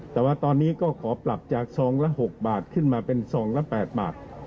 แต่ว่าตอนนี้ก็ขอปรับจากซองละ๖บาทขึ้นมาเป็นซองละ๘บาท